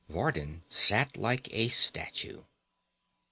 Vardin sat like a statue.